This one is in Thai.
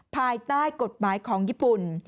ภายใต้กฎหมายของญี่ปุ่น